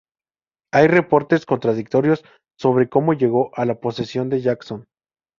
Hay reportes contradictorios sobre cómo llegó a la posesión de Jackson.